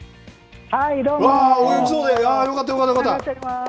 お元気そうで、よかった、よかった、